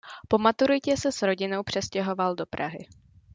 Po maturitě se s rodinou přestěhoval do Prahy.